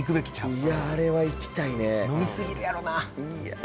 いやあれは行きたいね飲みすぎるやろうないやあっ